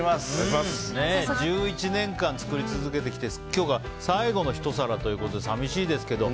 １１年間作り続けてきて今日が最後のひと皿ということで寂しいですけど。